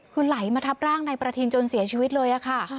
คือไหลมาทับร่างนายประทินจนเสียชีวิตเลยค่ะ